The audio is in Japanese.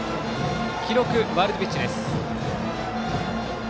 記録、ワイルドピッチです。